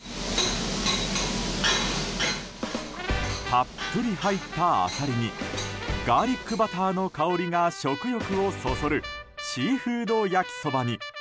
たっぷり入ったアサリにガーリックバターの香りが食欲をそそるシーフード焼きそばに。